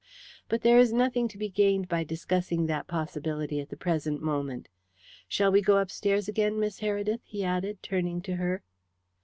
"But there is nothing to be gained by discussing that possibility at the present moment. Shall we go upstairs again, Miss Heredith?" he added, turning to her.